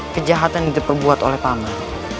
kejahatan yang diperbuat oleh paman